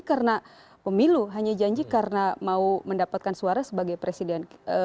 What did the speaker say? karena pemilu hanya janji karena mau mendapatkan suara sebagai presiden